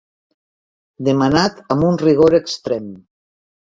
Demanat amb un rigor extrem.